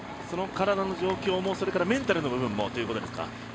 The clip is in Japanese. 体の状況もメンタルの部分もということですか。